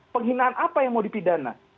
penghinaan apa yang mau dipidana